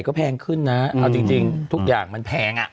ก็แพงขึ้นนะเอาจริงทุกอย่างมันแพงอ่ะ